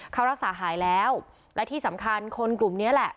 เขารักษาหายแล้วและที่สำคัญคนกลุ่มนี้แหละ